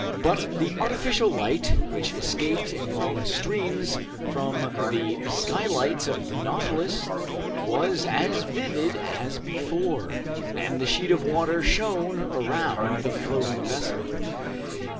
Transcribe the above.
But the artificial light, which escaped in long streams from the skylights of the "Nautilus" was as vivid as before, and the sheet of water shone around the floating vessel.